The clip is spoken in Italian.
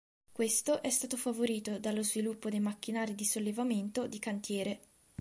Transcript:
Questo è stato favorito dallo sviluppo dei macchinari di sollevamento di cantiere.